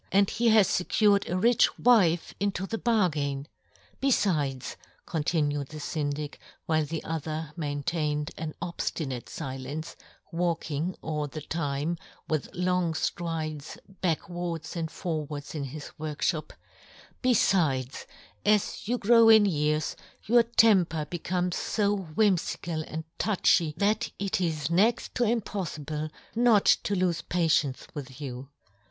and he has fecured a rich " wife into the bargain. Befides," 40 yohn Gutenberg. continued the Syndic, while the other maintained an obftinatefilence, walk ing all the time, with long ftrides, backwards and forwards in his work fhop, " befides, as you grow in years, * your temper becomes fo whimfical * and touchy that it is next to impof fible not to lofe patience with you.